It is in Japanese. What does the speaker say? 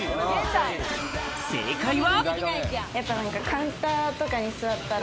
正解は。